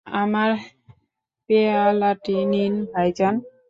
আমার পেয়ালাটি নিন, ভাইজান।